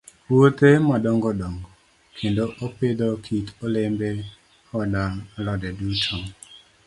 Puothe madongo dongo, kendo opidho kit olembe koda alode duto.